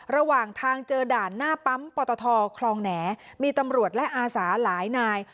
ระหว่างทางเจอด่านหน้าปั๊มปตทคลองแหน่มีตำรวจและอาสาหลายนาย